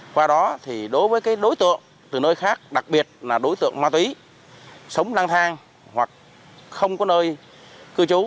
qua đó thì đối với đối tượng từ nơi khác đặc biệt là đối tượng ma túy sống lang thang hoặc không có nơi cư trú